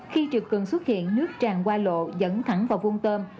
khi triều cường xuất hiện nước tràn qua lộ dẫn thẳng vào vuông tôm